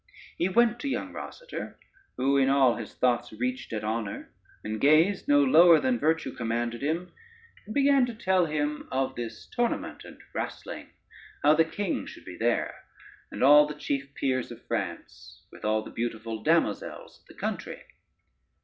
He went to young Rosader, who in all his thoughts reached at honor, and gazed no lower than virtue commanded him, and began to tell him of this tournament and wrastling, how the king should be there, and all the chief peers of France, with all the beautiful damosels of the country.